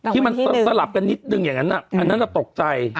ที่มันสลับกันนิดนึงอย่างนั้นอันนั้นตกใจ